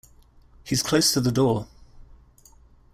He’s close to the door.